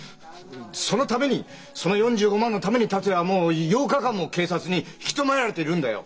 そのためにその４５万のために達也はもう８日間も警察に引き止められているんだよ。